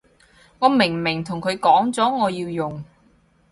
我明明同佢講咗我要用